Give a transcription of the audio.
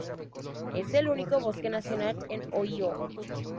Es el único bosque nacional en Ohio.